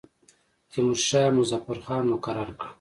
تیمورشاه مظفر خان مقرر کړ.